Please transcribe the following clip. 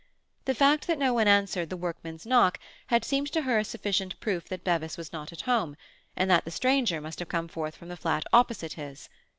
The fact that no one answered the workman's knock had seemed to her a sufficient proof that Bevis was not at home, and that the stranger must have come forth from the flat opposite his.